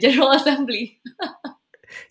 di dalam assembly jeneral